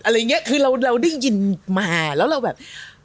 อะไรอย่างนี้คือเราได้ยินมาแล้วเราแบบ